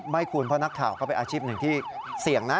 ไม่คุณเพราะนักข่าวก็เป็นอาชีพหนึ่งที่เสี่ยงนะ